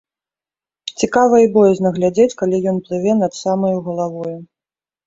Цікава і боязна глядзець, калі ён плыве над самаю галавою.